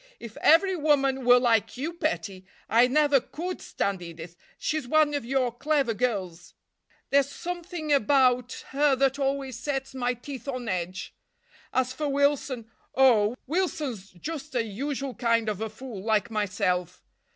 "If every woman were like you, petty—I never could stand Edith, she's one of your clever girls; there's something about her that always sets my teeth on edge. As for Wilson—oh, Wilson's just a usual kind of a fool, like myself.